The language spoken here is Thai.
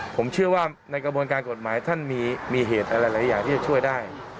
ผมเชื่อว่าในกระบวนการกฎหมายท่านมีเหตุอะไรหลายอย่างที่จะช่วยได้